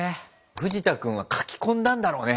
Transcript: フジタ君はかき込んだんだろうね